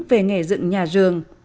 về nghề dựng nhà rường